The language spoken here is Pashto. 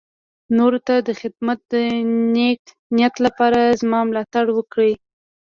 نورو ته د خدمت د نېک نيت لپاره زما ملاتړ وکړي.